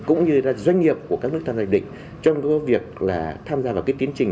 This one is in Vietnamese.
cũng như doanh nghiệp của các nước tham gia hiệp định trong việc tham gia vào tiến trình